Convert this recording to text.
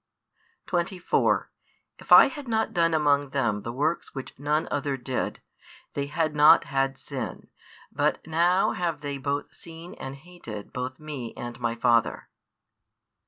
Christ. 24 If I had not done among them the works which none other did, they had not had sin; but now have they both seen and hated both Me and My Father.